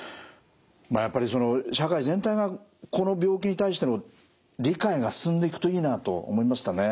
まあやっぱりその社会全体がこの病気に対しての理解が進んでいくといいなと思いましたね。